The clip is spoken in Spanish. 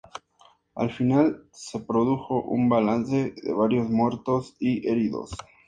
Al final se produjo un balance de varios muertos y heridos.